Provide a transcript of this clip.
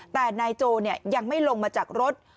แต่นายโจยังไม่ลงมาจากรถ